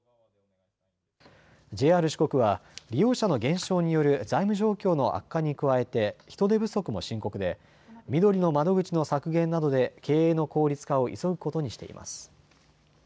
ＪＲ四国は利用者の減少による財務状況の悪化に加えて人手不足も深刻でみどりの窓口の削減などで経営の効率化を急ぐことにしています。